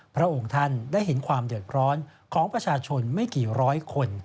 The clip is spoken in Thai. พระองค์ท่านได้เห็นความเดือดร้อนของประชาชนไม่กี่ร้อยคน